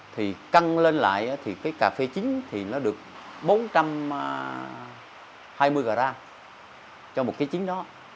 thì căng lên lại thì cái cà phê chín thì nó được bốn trăm hai mươi gram cho một ký chín đó